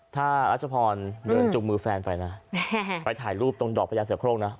ถ้ารัชพรเดินจุงมือแฟนไปนะไปถ่ายรูปตรงดอกพญาเสือโครงนะ